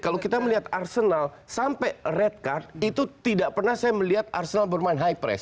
kalau kita melihat arsenal sampai red card itu tidak pernah saya melihat arsenal bermain high press